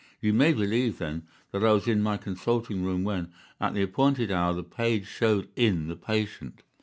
You may believe, then, that I was in my consulting room when, at the appointed hour, the page showed in the patient.